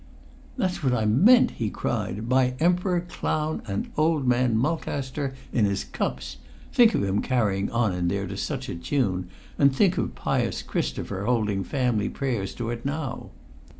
"That's what I meant!" he cried. "By emperor, clown, and old man Mulcaster in his cups! Think of him carrying on in there to such a tune, and think of pious Christopher holding family prayers to it now!"